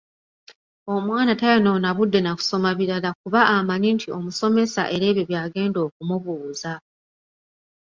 Omwana tayonoona budde na kusoma birala kuba amanyi nti omusomesa era ebyo by’agenda okumubuuza.